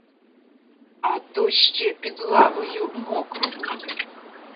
А то ще під лавою мокро буде.